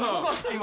今」